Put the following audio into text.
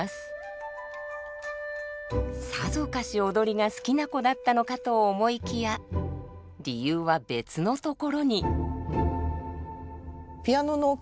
さぞかし踊りが好きな子だったのかと思いきや理由は別のところに。